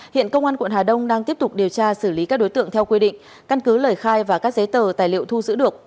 hiện công an quận hà đông đang tiếp tục điều tra xử lý các đối tượng theo quy định căn cứ lời khai và các giấy tờ tài liệu thu giữ được